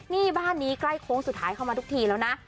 นี่บ้านนี้ใกล้โค้งสุดท้ายเข้ามาทุกทีแล้วนะ